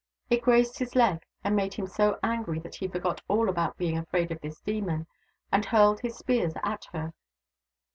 It grazed his leg, and made him so angry that he forgot all about being afraid of this demon, and hurled his spears at her.